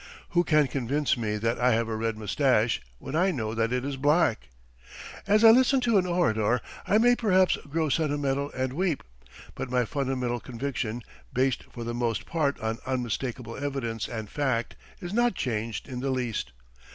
Who can convince me that I have a red moustache when I know that it is black? As I listen to an orator I may perhaps grow sentimental and weep, but my fundamental conviction, based for the most part on unmistakable evidence and fact, is not changed in the least.